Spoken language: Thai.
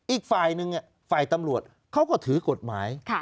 อีกฝ่ายหนึ่งฝ่ายตำรวจเขาก็ถือกฎหมาย